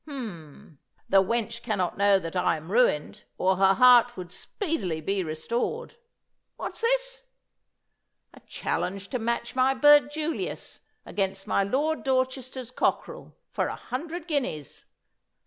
Hum! The wench cannot know that I am ruined or her heart would speedily be restored. What's this? A challenge to match my bird Julius against my Lord Dorchester's cockerel for a hundred guineas.